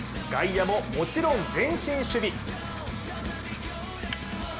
外野も、もちろん前進守備。